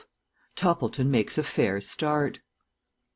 TOPPLETON MAKES A FAIR START.